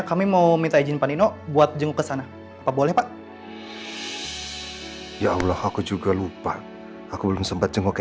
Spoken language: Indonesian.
sampai jumpa di video selanjutnya